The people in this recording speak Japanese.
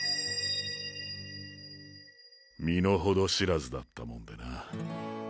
身の程知らずだったもんでな。